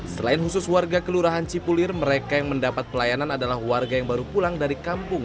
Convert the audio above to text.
selain khusus warga kelurahan cipulir mereka yang mendapat pelayanan adalah warga yang baru pulang dari kampung